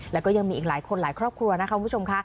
แล้วก็ยังมีอีกหลายคนหลายครอบครัวนะคะคุณผู้ชมค่ะ